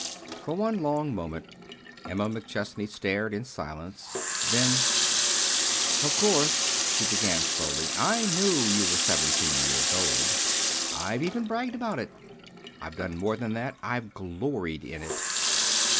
For one long moment Emma McChesney stared, in silence. Then: "Of course," she began, slowly, "I knew you were seventeen years old. I've even bragged about it. I've done more than that I've gloried in it.